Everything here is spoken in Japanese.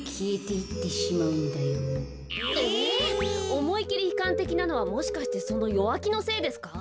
おもいきりひかんてきなのはもしかしてその弱木のせいですか？